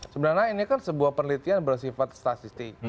sebenarnya ini kan sebuah penelitian bersifat statistik